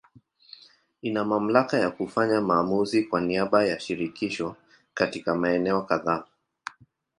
Ina mamlaka ya kufanya maamuzi kwa niaba ya Shirikisho katika maeneo kadhaa.